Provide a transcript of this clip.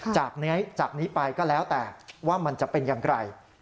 จากนี้จากนี้ไปก็แล้วแต่ว่ามันจะเป็นอย่างไร